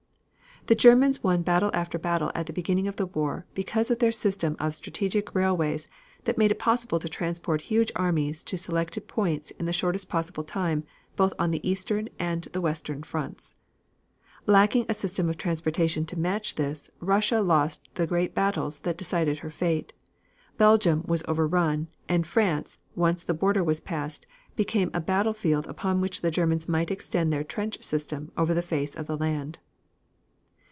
The Germans won battle after battle at the beginning of the war because of their system of strategic railways that made it possible to transport huge armies to selected points in the shortest possible time both on the eastern and the western fronts. Lacking a system of transportation to match this, Russia lost the great battles that decided her fate, Belgium was over run, and France, once the border was passed, became a battle field upon which the Germans might extend their trench systems over the face of the land.